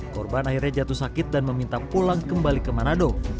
korban akhirnya jatuh sakit dan meminta pulang kembali ke manado